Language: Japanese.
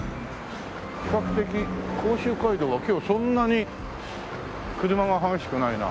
比較的甲州街道は今日そんなに車が激しくないな。